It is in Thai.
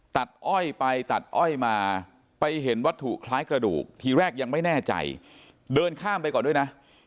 อ้อยไปตัดอ้อยมาไปเห็นวัตถุคล้ายกระดูกทีแรกยังไม่แน่ใจเดินข้ามไปก่อนด้วยนะ